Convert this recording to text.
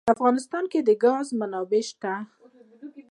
په افغانستان کې د ګاز منابع شته.